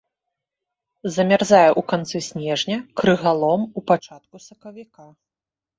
Замярзае ў канцы снежня, крыгалом у пачатку сакавіка.